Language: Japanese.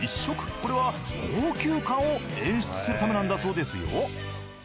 これは高級感を演出するためなんだそうですよ。